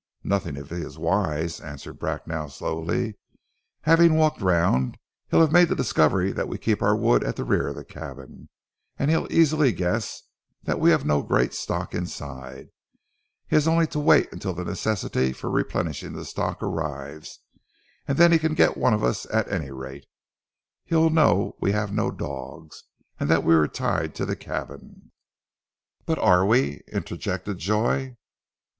"Nothing, if he is wise," answered Bracknell slowly. "Having walked round he'll have made the discovery that we keep our wood at the rear of the cabin, and he'll easily guess that we have no great stock inside. He has only to wait until the necessity for replenishing the stock arrives, and then he can get one of us at any rate.... He'll know we have no dogs, and that we are tied to the cabin " "But are we?" interjected Joy.